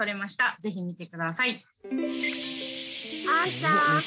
ぜひ見てください。